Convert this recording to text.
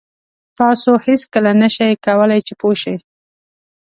تاسو هېڅکله نه شئ کولای چې پوه شئ.